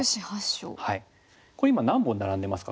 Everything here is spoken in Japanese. これ今何本並んでますか？